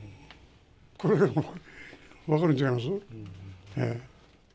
これでもう分かるんちゃいます？